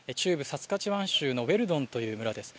サスカチワン州のウェルドンという村です。